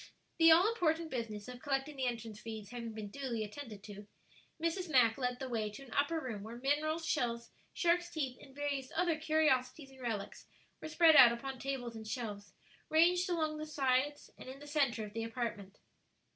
The all important business of collecting the entrance fees having been duly attended to, Mrs. Mack led the way to an upper room where minerals, shells, sharks' teeth, and various other curiosities and relics were spread out upon tables and shelves, ranged along the sides and in the centre of the apartment.